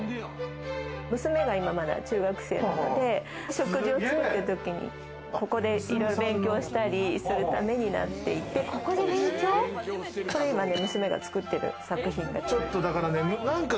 娘が今まだ、中学生なので、食事を作ってる時にここで勉強をしたりするためになっていて、これは娘が今、作っている作品。